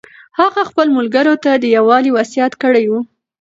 هغه خپلو ملګرو ته د یووالي وصیت کړی و.